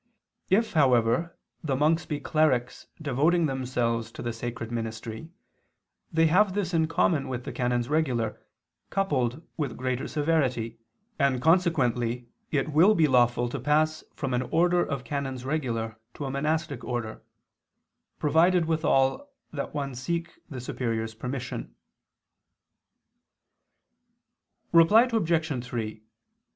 If, however, the monks be clerics devoting themselves to the sacred ministry, they have this in common with canons regular coupled with greater severity, and consequently it will be lawful to pass from an order of canons regular to a monastic order, provided withal that one seek the superior's permission (XIX, qu. iii; cap. Statuimus). Reply Obj.